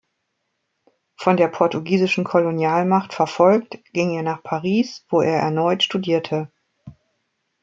Von der portugiesischen Kolonialmacht verfolgt, ging er nach Paris, wo er erneut studierte.